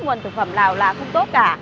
nguồn thực phẩm nào là không tốt cả